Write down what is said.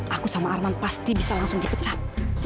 aku sama arman pasti bisa langsung dipecat